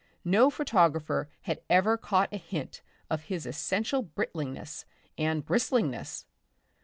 No photographer had ever caught a hint of his essential Britlingness and bristlingness.